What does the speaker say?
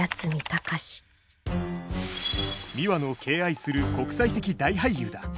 ミワの敬愛する国際的大俳優だ。